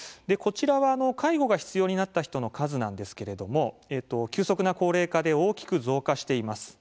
介護が必要になった人の数なんですけれども急速な高齢化で大きく増加しています。